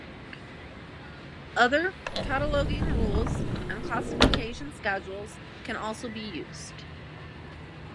Other cataloging rules and classification schedules can also be used.